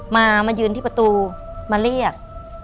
มายืนที่ประตูมาเรียก